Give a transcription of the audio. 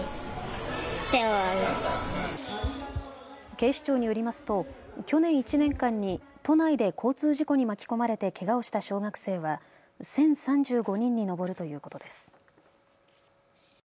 警視庁によりますと去年１年間に都内で交通事故に巻き込まれてけがをした小学生は１０３５人に上るということです。